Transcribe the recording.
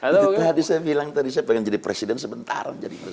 tadi saya bilang tadi saya pengen jadi presiden sebentar